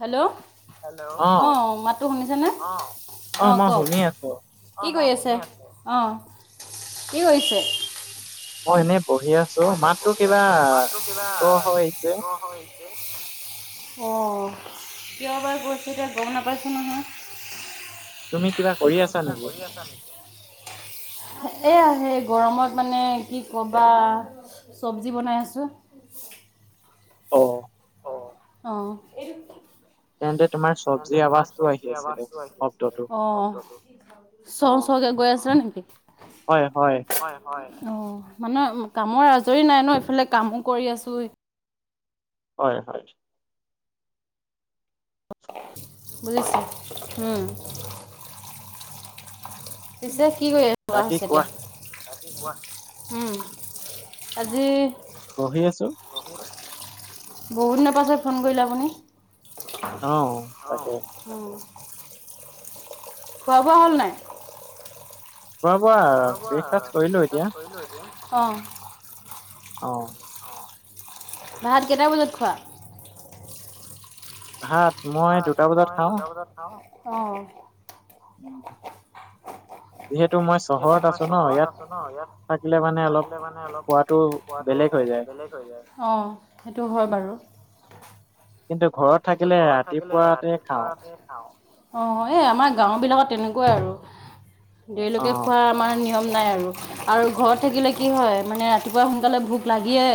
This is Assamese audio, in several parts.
হেল্ল'' অঁ' মাতটো শুনিছেনে অঁ কওক। কি কৰি আছে অঁ' কি কৰিছে। মই এনেই পঢ়ি আছো। মই এনেই বহি আছো মাটতো কিবা হয়। অঁ' কিয়বাৰ গৈছিলে গম নাপাইছোঁ নহয়। তুমি কিবা তুমি কিবা কৰি আছা নেকি? এইয়া সেই গৰমত মানে কি ক'বা। চব্জি বনাই আছো। অ', অ', তে তোমাৰ চব্জি আৱাজটো আহি আছিল। শব্দ টো ছ চকে গৈ আছিলে নেকি? হয়, হয় অ' মানে কামৰ আজৰি নাই ন ইফালে কামো কৰি আছো। হয়, হয় বুজিছো উম', পিছে কি কৰি [unintelligible] এতিয়া? উম', আজি বঢ়ি আছো। বহু দিনৰ পাছত ফন কৰিলে আপুনি। অঁ উম', খোৱা বোৱা হ'ল নাই? খোৱা বোৱা কৰিলো এতিয়া অ', ভাত কেইটা বজাত খোৱা? ভাত মই দুটা বজাত খাওঁ। তদাত নাও। অঁ', উম', [unintelligible] যিহেতু মই চহৰত আছো ন' ইয়াত ন ইয়াত থাকিলে মানে অলপ খোৱাটো বেলেগ হৈ যায় অ' সেইটো হয় বাৰু। কিন্তু ঘৰত থাকিলে ৰাতিপুৱাতে খাওঁ। এ খাওঁ। অঁ' এই আমাৰ গাঁওবিলাকত তেনেকুৱাই আৰু। দেৰিলৈকে খোৱা আমাৰ নিয়ম নাই আৰু। আৰু ঘৰত থাকিলে কি হয় মানে ৰাতিপুৱা সোনকালে ভোক লাগিয়ে।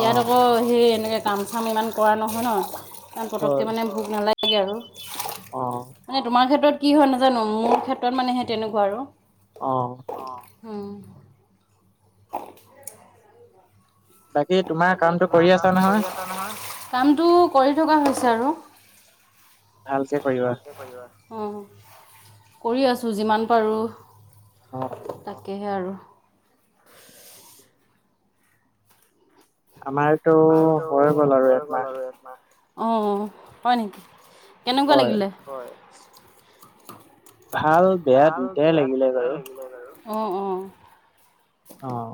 ইয়াত অক সেই এনেকে কাম চাম ইমান কৰা নহয় ন' ইমান পটককৈ মানে ভোক নালাগে। গে আৰু মানে তোমাৰ ক্ষেত্ৰত কি হয় নাজানো মোৰ ক্ষেত্ৰত মানে সেই তেনেকুৱা আৰু। অ', অঁ উম', [unintelligible] বাকী তোমাৰ কামটো কৰি আছা নহয়। কামটো কৰি থকা হৈছে আৰু অঁ কৰি আছোঁ যিমান পাৰোঁ তাকেহে আৰু। আমাৰ আমাৰটো হৈ গ'ল আৰু একমাহ অ' হয় নিকি। কেনকুৱা লাগিলে? ভাল। ভাল বেয়া দুইটাই লাগিলে বাৰু। অঁ অ', অঁ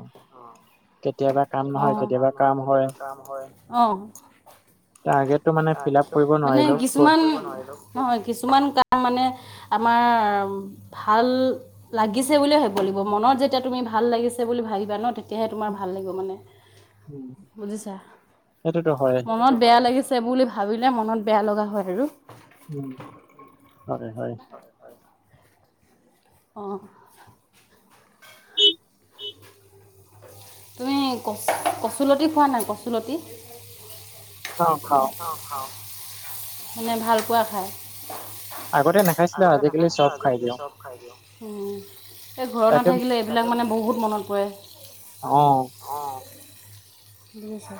কেতিয়াবা কাম নহয় কেতিয়াবা কাম হয়। অঁ মানে কিছুমান নহয় কিছুমান কাম মানে আমাৰ ভাল লাগিছে বুলিয়ে ভাবিব লাগিব মনত যেতিয়া তুমি ভাল লাগিছে বুলি ভাবিবা ন তেতিয়াহে তোমাৰ ভাল লাগিব মানে বুজিছা মনত বেয়া লাগিছে ছে বুলি ভাবিলে মনত বেয়া লগা হয় আৰু। উম হয় হয়, হয় হয়, অঁ, তুমি কচ কচুলতি খোৱা নাই কচুলতি? খাওঁ খাওঁ। খাওঁ খাওঁ। মানে ভাল পোৱা খায়। আগতে নাই - আগতে নাখাইছিলো আজিকালি চব খাই দিওঁ। উম উম এই ঘৰ নাথাকিলে এইবিলাক মানে বহুত মনত পৰে। অ, অঁ, বুজিছা!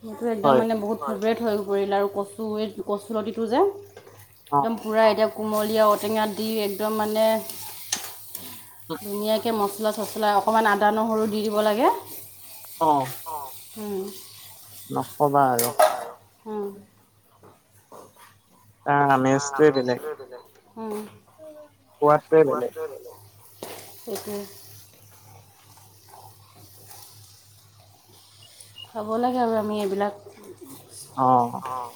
সেইটো একদম মানে বহুত ফেভৰেট হৈ পৰিল আৰু কচুৱেই - কচুলতিটো যে একদম পোৰা এতিয়া - কুমলীয়া ঔটেঙা দি একদম মানে ধুনীয়াকে মছ - মচলা চচলা অকণমান আদা নহৰু দি দিব লাগে - অ, উম, নকবা আৰু। উম তাৰ আমেজটোয়ে বেলেগ, উম সোৱাদটোয়ে বেলেগ। সেইটোৱে। খাব লাগে আৰু আমি এইবিলাক - অ, অ,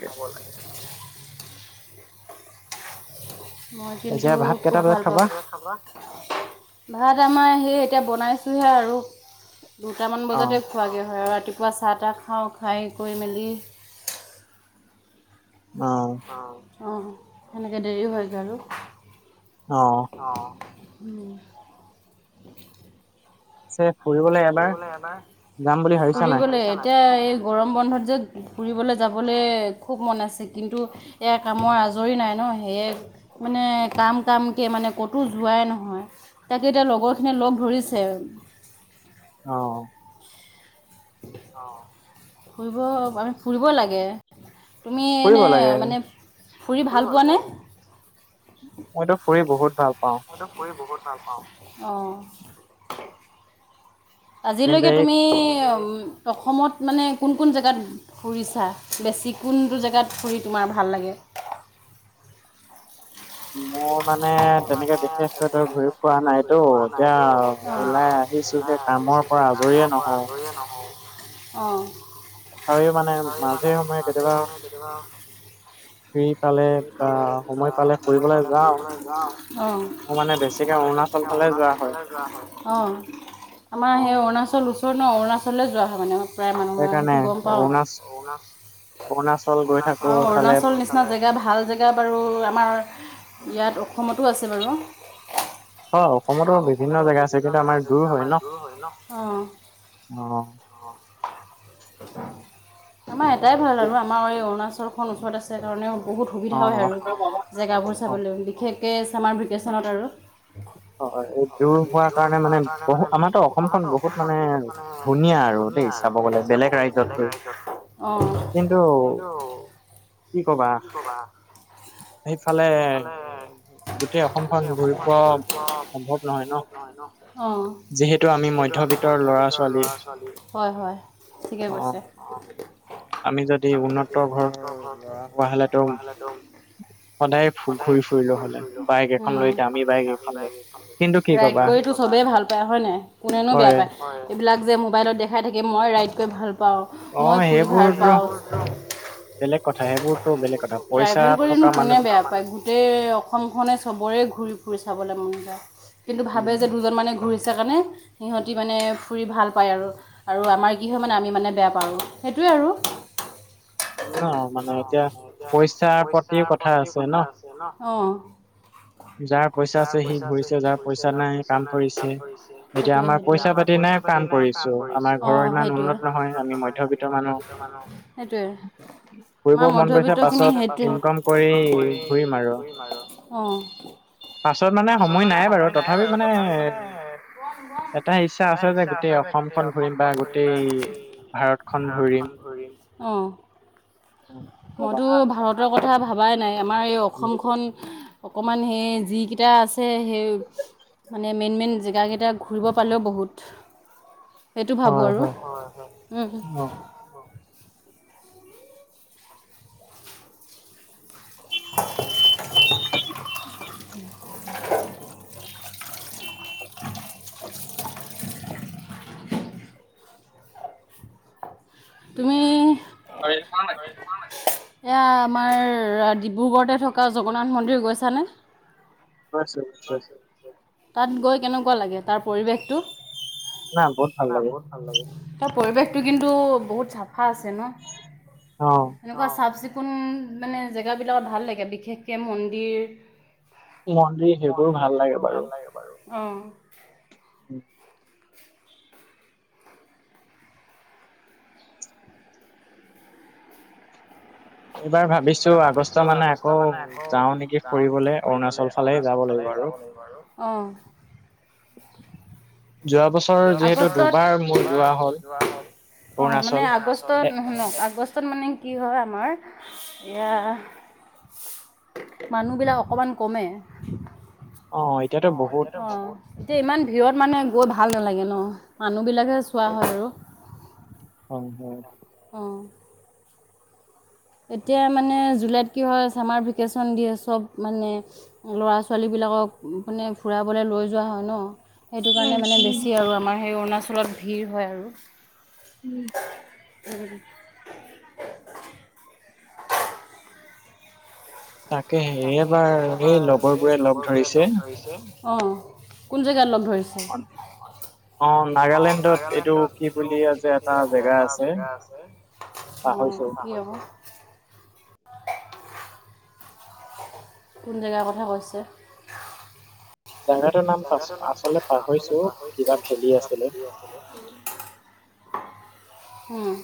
খাব লাগে, খাব লাগে। মই কিন্তু খুব ভাল পাওঁ, খাবা। ভাত আমাৰ সেই এতিয়া বনাইছোঁহে আৰু দুটামান বজাতে - খোৱাগৈ হয় আৰু, ৰাতিপুৱা চাহ তাহ খাওঁ, খাই কৰি মেলি- উম অঁ, অ সেনেকে দেৰি হয়গে আৰু। অঁ, অ, উম। ফুৰিবলে এবাৰ, ফুৰিবলে- এতিয়া এই গৰম বন্ধত যে ফুৰিবলে যাবলে খুব মন আছে কিন্তু - এইয়াৰ কামৰ আজৰি নাই ন, সেয়ে- মানে কাম কামকে মানে ক'তো যোৱাই নহয়। তাতো এতিয়া লগৰখিনিয়ে লগ ধৰিছে। অ, অ, ফুৰিব আমি ফুৰিব লাগে। তুমি এনে মানে ফুৰি ভাল পোৱা নে? মইতো ফুৰি বহুত ভাল পাওঁ। মইটো ফুৰি বহুত ভাল পাওঁ। অঁ আজিলৈকে তুমি অসমত মানে কোন কোন জেগাত- ফুৰিছা, বেছি কোনটো জেগাত ফুৰি তোমাৰ ভাল লাগে? মোৰ মানে তেনেকে বিশেষকৈ তই ঘূৰি ফুৰা নাইতো এতিয়া - ওলাই আহিছো হে কামৰ পৰা আজৰিয়ে নহওঁ। অঁ, তথাপিও মানে মাজে সময়ে কেতিয়াবা- কেতিয়াবা - ফ্ৰী পালে বা সময় পালে ফুৰিবলে যাওঁ। হয় যাও অ মানে বেছিকে অৰুণাচল ফালে যোৱা হয় অ আমাৰ সেই অৰুণাচল ওচৰ ন অৰুণাচললৈ যোৱা হয় মানে প্ৰায় মানুহে সেইটো গম পাও অ অৰুণা অৰুণাচল অ অৰুণাচল নি চিনা জেগা ভাল জেগা বাৰু আমাৰ ইয়াত অসমতো আছে বাৰু অ অসমতো বিভিন্ন জেগা আছে কিন্তু আমাৰ দূৰ হয় ন অ অ আমাৰ এটাই ভাল আৰু আমাৰ এই অৰুণাচল খন ওচৰত আছে কাৰণে বহুত সুবিধা হয় আৰু অ জেগাবোৰ চাবলৈ বিশেষকৈ আমাৰ ভেকেশ্যনত আৰু হয় এই দূৰ হোৱাৰ কাৰণে মানে বহু আমাৰতো অসমখন বহুত মানে ধুনীয়া আৰু দেই চাব গলে বেলেগ ৰাজ্যতকৈ কিন্তু কি কবা সেইফালে গোটেই অসমখন ঘূৰি পোৱা সম্ভৱ নহয় ন নহয় ন অ যিহেতু আমি মধ্যবিত্তৰ ল'ৰা ছোৱালী হয় হয় ঠিকে কৈছে আমি যদি উন্নত ঘৰৰ ল'ৰা হোৱা হলেতো সদায় ঘূৰি ফুৰিলো হলে বাইক এখন লৈ দামী বাইক এখন লৈ ৰাইড কৰিতো চবেই ভাল পায় হয় নাই কোনেনো বেয়া পায় এইবিলাক যে মোবাইলত দেখাই থাকে মই ৰাইড কৰি ভাল পা ও মই ফুৰি ভাল পাও বেলেগ কথা সেইবোৰতো বেলেগ কথা পইচা থকা মা কোনে বেয়া পায় গোটেই অসমখনেই চবৰে ঘূৰি ফুৰি চাবলে মন যায় কিন্তু ভাবে যে দুজন মানে ঘূৰিছে কাৰণে সিহঁতি মানে ফুৰি ভাল পায় আৰু আৰু আমাৰ কি হয় মানে আমি মানে বেয়া পাও আৰু সেইটোৱে আৰু যি কি নহওক মানে এতিয়া পইচা প্ৰতিও কথা আছে ন আছে ন অ যাৰ পইচা আছে সি ঘূৰিছে যাৰ পইচা নাই সি কাম কৰিছে সেইটোৱে সেইটোৱে সেইটোৱে আমাৰ পইচা প্ৰত্যেক দিনাই কাম কৰিছো। অ সেইটোৱে কাৰণ আমাৰ ঘৰ ইমান উন্নত নহয় আমি মধ্যবিত্ত মানুহ সেইটোৱে আমাৰ মধবিত্তখিনি সেইটোৱে। পাছত ইনকম এই ঘূৰিম আৰু অ পাছত মানে সময় নাই বাৰু তথাপি মানে এটা ইচ্ছা আছে যে গোটেই অসমখন ঘূৰিম বা এনেকেই ভাৰতখন ঘূৰিম অ মইতো ভাৰতৰ কথা ভবাই নাই আমাৰ এই অসমখন অকণমান সেই যিকেইটা আছে সেই মানে মেইন মেইন জেগাকেইটা ঘূৰিব পালেও বহুত সেইটো ভাবো আৰু হয় হয় উ [unintelligible] [unintelligible] তুমি আৰু খোৱা নাই খোৱা নাই এয়া আমাৰ ডিব্ৰুগড়তে থকা জগন্নাথ মন্দিৰ গৈছানে গৈছো গৈছো। তাত গৈ কেনেকোৱা লাগে তাৰ পৰিৱেশটো? না বহুত ভাল লাগে ভাল লাগে। তাৰ পৰিৱেশতটো কিন্তু বহুত চাফা আছে ন অ এনেকুৱা চাফ চিকুণ মানে জেগাবিলাকত ভাল লাগে বিশেষকে মন্দিৰ মন্দিৰ সেইবোৰ ভাল লাগে বাৰু অ উম এইবাৰ ভাবিছো আগষ্ট মানে আকৌ যাও নেকি ফুৰিবলৈ অৰুণাচল অৰুণাচল ফালেই যাব লাগিব আৰু যোৱা বছৰ যোৰ বছৰ আগষ্টত যিহেতু দুবাৰ মোৰ যোৱা হ'ল অ মানে আগষ্টত শুনক আগষ্টত মানে কি হয় আমাৰ এইৱা মানুহবিলাক অকণমান কমে অ এতিয়াতো মানুহ বহুত। এতিয়া ইমান ভিৰত মানে গৈ ভাল ভাল নালাগে ন মানুহবিলাকে চোৱা হয় আৰু হয় অ এতিয়া মানে জুলাইত কি হয় ছামাৰ ভেকেশন দিয়ে চব মানে ল'ৰা ছোৱালীবিলাকক মানে ফুৰাবলৈ লৈ যোৱা হয় ন সেইটো কাৰণে মানে বেছি আৰু আমাৰ সেই অৰুণাচলত ভিৰ হয় আৰু উম [unintelligible] উম তাকে হেৰি এবাৰ এই লগৰ বোৰে লগ ধৰিছে অ কোন জেগাত লগ ধৰিছে অ [unintelligible] অ নাগাল্যান্ডত এইটো কি বুলি যে এটা জেগা আছে অ কি এবোৰ কোন জেগাৰ কথা কৈছে জেগাটোৰ নাম আগফলে পাৰ হৈছে ও কিবা খেলি আছিলো হম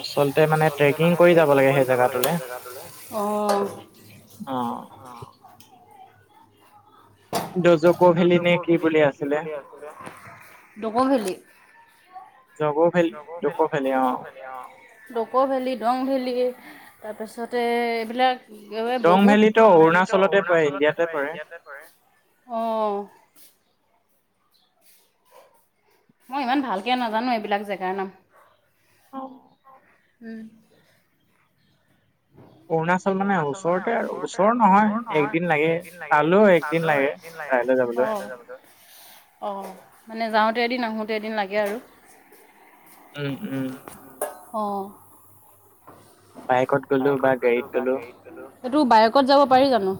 আচল আচলতে মানে ট্ৰেকিং কৰি যাব লাগে সেই জেগাটোলৈ অ [unintelligible] ডিজুকৌ ভেলী নে কি বুলি আছিলে ডক' ভেলী ডকৌ ভেলী নে জুকু ভেলী অ ডক' ভেলী দং ভেলী তাৰপিছতে এইবিলাক একেবাৰে বহুত ৰং ভেলী তো অৰুণাচলতে পৰে ইণ্ডিয়াতে পৰে অ মই ইমান ভালকে নাজানো এইবিলাক জেগাৰ নাম অ উম অৰুণাচল মানে ওচৰতে আৰু ওচৰ নহয় একদিন লাগে তালৈও একদিন লাগে একদিন লাগে। অ তাতে যাবলৈ অঁ মানে যাওঁতে এদিন আহোঁতে এদিন লাগে আৰু উম উম অ',। বাইকত গ'লো বা গাড়ীত গ'লো। এইটো বাইকত যাব পাৰি জানো।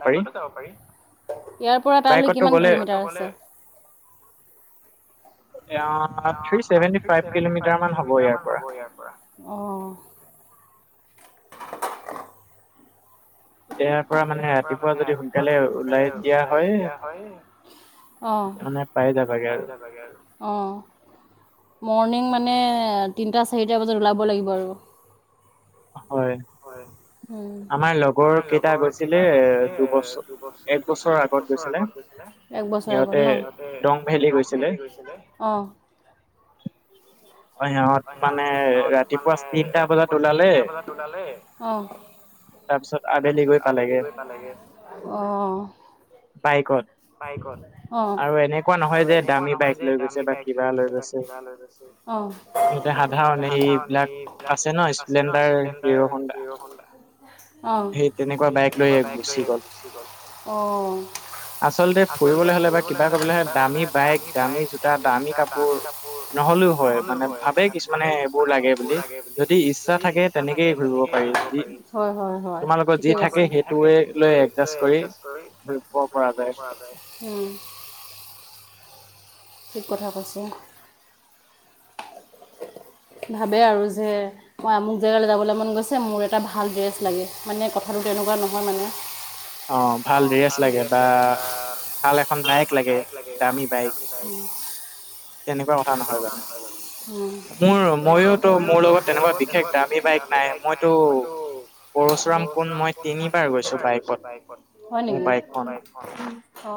বাইকতো যাব পাৰি ইয়াৰ পৰা তালৈ কিমান কিলোমিটাৰ আছে। থ্ৰী ছেভেন্টি ফাইভ কিলোমিটাৰ মান হ'ব ইয়াৰ পৰা। ইয়াৰ পৰা। অ ইয়াৰ পৰা মানে ৰাতিপুৱা যদি সোনকালে ওলাই দিয়া হয়। অ পাইয়ে যাবাগে আৰু অ মৰ্ণিং মানে তিনিটা-চাৰিটা বজাত ওলাব লাগিব আৰু হয়। হয় উম আমাৰ লগৰ কেইটা গৈছিলে দুবছৰ এক বছৰ আগত এক বছৰ আগত ন সিঁহতে দগভেলী গৈছিলে। অ, সিহঁত মানে ৰাতিপুৱা তিনটা বজাত ওলালে [unintelligible] বজাত ওলালে তাৰপিছত আৱেলি গৈ পালেগে অ। বাইকত। বাইকত অ আৰু এনেকুৱা নহয় যে দামী বাইক লৈ গৈছে বা কিবা লৈ গৈছে। অ এ সাধাৰণ এইবিলাক আছে ন ষ্টেণ্ডাডাৰ হিৰহণ্ডাৰ সেই তেনেকুৱা বাইক লৈয়ে আহিছে, অ আচলতে ফুৰিবলৈ হ'লে বা কিবা কৰিবলৈ হ'লে দামী বাইক, দামী জোতা, দামী কাপোৰ দামী কাপোৰ নহ'লেও হয় মানে ভাবে কিছুমানে এইবোৰ লাগে বুলি যদি থাকে তেনেকেই কৰিব পাৰি হয় হয় হয় ঠিকেই কৈছা। আমাৰ লগত যি থাকে সেইটোৱেলৈ এডজাষ্ট কৰি [unintelligible] পৰা যায়। পৰা যায় উম ঠিক কথা কৈছে। ভাবে আৰু যে মই আমুক জেগালৈ যাবলৈ মন গৈছে মোৰ এটা ভাল ড্ৰেছ লাগে মানে কথাটো তেনেকুৱা নহয় মানে। অ ভাল ড্ৰেছ লাগে বা ভাল এখন বাইক লাগে দামী বাইক। উম। তেনেকুৱা কথা নহয় জানো মোৰ মইতো মোৰ লগত তেনেকুৱা বিশেষ দামী দামী বাইক নাই মইতো পৰশুৰাম কুণ্ড মই তিনিবাৰ গৈছো বাইকত। হয় নেকি? বাইকত। অ